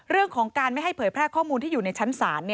เรื่องของการไม่ให้เผยแพร่ข้อมูลที่อยู่ในชั้นศาล